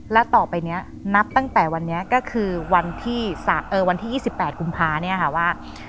และต่อไปนี้นับตั้งแต่วันนี้ก็คือวันที่๒๘กุมภาเนี่ยค่ะว่า